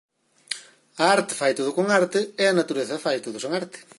A arte fai todo con arte, e a natureza fai todo sen arte.